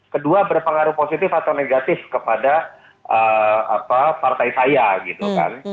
kedua berpengaruh positif atau negatif kepada partai saya gitu kan